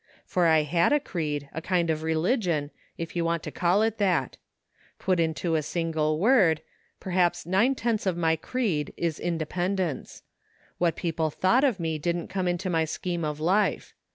For I had a creed, a kind of religion, if you want to call it that Put into a single word, perhaps nine tenths of my creed is In dependence. What people thought of me didn't come into my scheme of life.